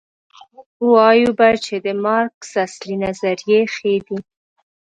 وایو به چې د مارکس اصلي نظریې ښې دي.